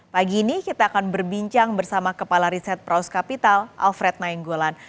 pagi ini kita akan berbincang bersama kepala riset praus kapital alfred nainggolan